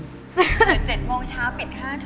๗โมงเช้าปิด๕ทุ่ม